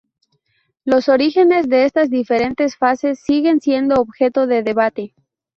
Los orígenes de estas diferentes fases siguen siendo objeto de debate.